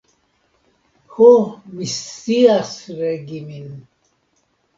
Ho, mi scias regi min.